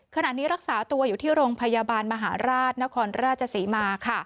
ขณะนี้รักษาตัวอยู่ที่โรงพยาบาลมหาราชนครราชศรีมาค่ะ